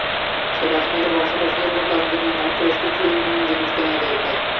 সেই বাসাকে বসবাসযোগ্য করার জন্য আমাদের বেশ কিছু জিনিস কেনা দরকার।